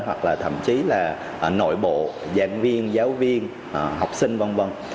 hoặc là thậm chí là nội bộ giảng viên giáo viên học sinh v v